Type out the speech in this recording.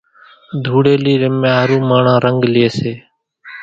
ڌوڙيلي رميا ۿارو ماڻۿان رنڳ لئي سي